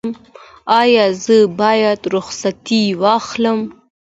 ایا زه باید رخصتي واخلم؟